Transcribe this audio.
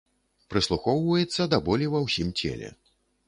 Прыслухоўваецца да болі ва ўсім целе.